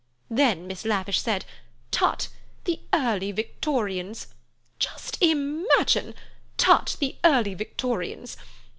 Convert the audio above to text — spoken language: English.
Then Miss Lavish said: 'Tut! The early Victorians.' Just imagine! 'Tut! The early Victorians.